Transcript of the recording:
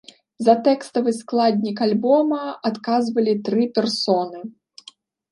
За тэкставы складнік альбома адказвалі тры персоны.